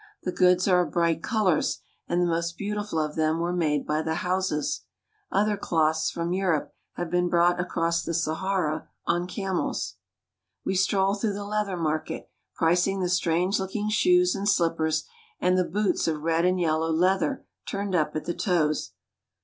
The goods are of bright colors, and the most beautiful of them were made by the Hausas. Other cloths, from Europfe, have been brought across the Sahara on camels. We stroll through the leather market, pricing the strange looking shoes and slippers and the boots of red and yellow leather turned up at the toes.